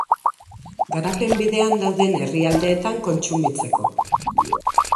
Garapen bidean dauden herrialdeetan kontsumitzeko.